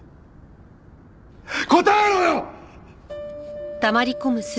答えろよ！